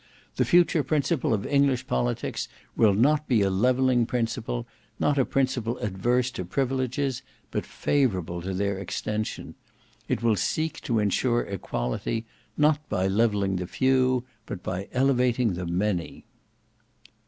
The future principle of English politics will not be a levelling principle; not a principle adverse to privileges, but favourable to their extension. It will seek to ensure equality, not by levelling the Few but by elevating the Many."